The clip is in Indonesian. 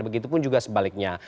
begitupun juga sebaliknya